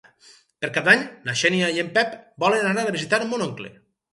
Per Cap d'Any na Xènia i en Pep volen anar a visitar mon oncle.